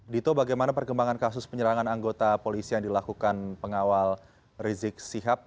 dito bagaimana perkembangan kasus penyerangan anggota polisi yang dilakukan pengawal rizik sihab